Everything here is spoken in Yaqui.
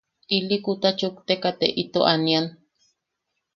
Ili kuta chukteka te ito anian.